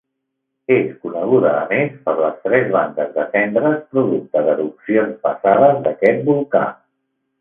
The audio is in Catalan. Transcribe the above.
És coneguda a més per les tres bandes de cendres producte d'erupcions passades d'aquest volcà.